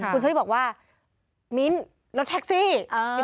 คุณเชอรี่บอกว่ามิ้นรถแท็กซี่